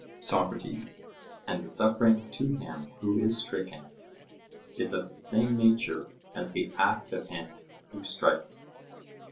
SOCRATES: And the suffering to him who is stricken is of the same nature as the act of him who strikes?